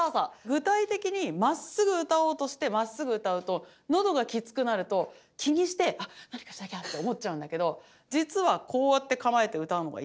具体的にまっすぐ歌おうとしてまっすぐ歌うと喉がきつくなると気にして何かしなきゃって思っちゃうんだけど実はこうやって構えて歌うのが一番いいみたい。